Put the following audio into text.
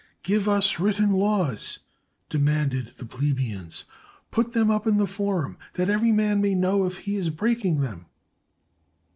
" Give us written laws," demanded the plebeians. "Put them up in the forum, that every man may know if he is breaking them."